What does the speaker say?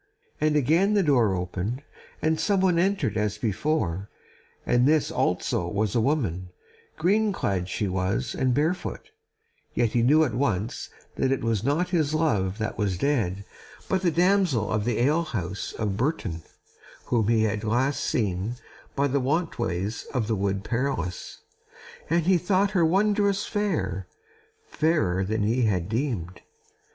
And again the door opened, and someone entered as before; and this also was a woman: green clad she was and barefoot, yet he knew at once that it was not his love that was dead, but the damsel of the ale house of Bourton, whom he had last seen by the wantways of the Wood Perilous, and he thought her wondrous fair, fairer than he had deemed.